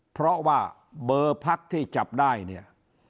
เพราะว่าเบอร์พักที่จับได้เนี่ย